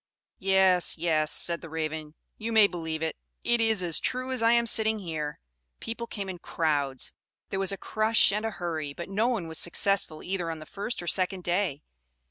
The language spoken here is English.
"Yes, Yes," said the Raven, "you may believe it; it is as true as I am sitting here. People came in crowds; there was a crush and a hurry, but no one was successful either on the first or second day.